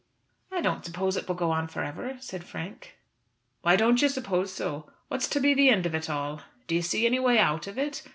"I don't suppose it will go on for ever," said Frank. "Why don't you suppose so? What's to be the end of it all? Do you see any way out of it?